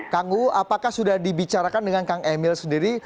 kang uu apakah sudah dibicarakan dengan kang emil sendiri